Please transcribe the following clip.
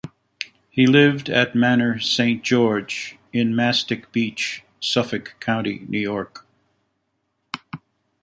He lived at Manor Saint George in Mastic Beach, Suffolk County, New York.